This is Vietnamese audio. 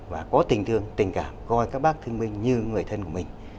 và có tình thương tình cảm coi các bác thư viện binh như người thân của mình